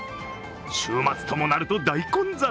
週末ともなると、大混雑。